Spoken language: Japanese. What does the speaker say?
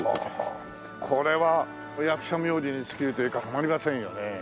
これは役者冥利に尽きるというかたまりませんよね。